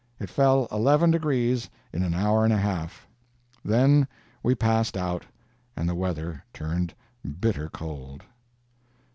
It fell eleven degrees in an hour and a half. Then we passed out, and the weather turned bitter cold."